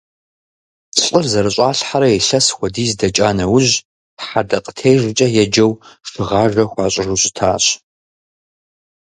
ЛӀыр зэрыщӀалъхьэрэ илъэс хуэдиз дэкӀа нэужь, хьэдэкъытежкӀэ еджэу шыгъажэ хуащӀыжу щытащ.